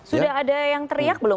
sudah ada yang teriak belum